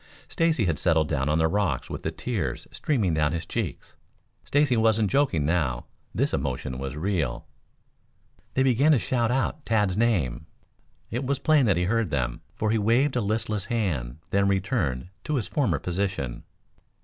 Stacy had settled down on the rocks with the tears streaming down his cheeks. Stacy wasn't joking now. This emotion was real. They began to shout out Tad's name. It was plain that he heard them, for he waved a listless hand then returned to his former position.